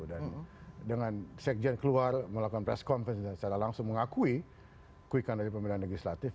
dan dengan sekjen keluar melakukan press conference secara langsung mengakui quick count pemilihan legislatif